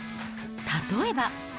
例えば。